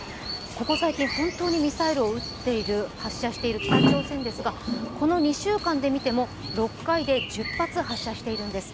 ここ最近本当にミサイルを発射している北朝鮮ですが、この２週間で見ても６回で１０発発射しているんです。